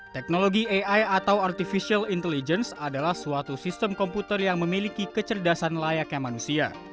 teknologi ai atau artificial intelligence adalah suatu sistem komputer yang memiliki kecerdasan layaknya manusia